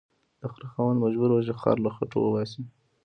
د خره خاوند مجبور و چې خر له خټو وباسي